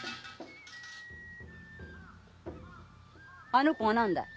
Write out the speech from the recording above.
あの子が何だい？